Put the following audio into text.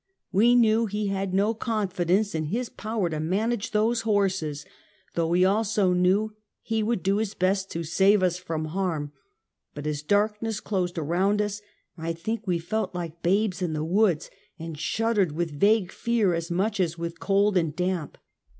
We knew he had no confidence in his power to manage those horses, though we also knew he would do his best to save us from harm ; but as darkness closed around us, I think we felt like babes in the woods, and shuddered with vague fear as much as with cold and damp.